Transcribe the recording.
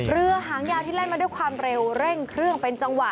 เรือหางยาวที่แล่นมาด้วยความเร็วเร่งเครื่องเป็นจังหวะ